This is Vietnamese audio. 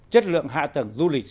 chất lượng hạ tầng du lịch